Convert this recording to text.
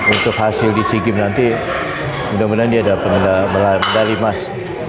untuk hasil di sea games nanti mudah mudahan dia dapat medali emas